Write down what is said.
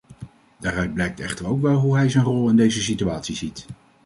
Daaruit blijkt echter ook wel hoe hij zijn rol in deze situatie ziet.